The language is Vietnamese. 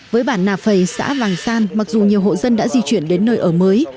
với bản nạp phầy xã vàng san mặc dù nhiều hộ dân đã di chuyển đến nơi ở mới